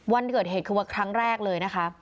วันเกิดเหตุคือว่าครั้งแรกเลยนะคะ